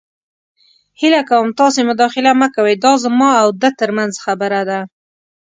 هیله کوم تاسې مداخله مه کوئ. دا زما او ده تر منځ خبره ده.